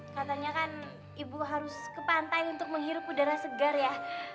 katanya kan ibu harus ke pantai untuk menghirup udara segar ya